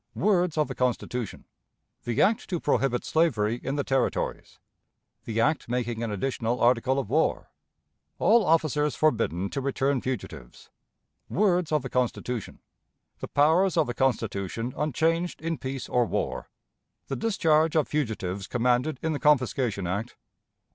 Words of the Constitution. The Act to prohibit Slavery in the Territories. The Act making an Additional Article of War. All Officers forbidden to return Fugitives. Words of the Constitution. The Powers of the Constitution unchanged in Peace or War. The Discharge of Fugitives commanded in the Confiscation Act.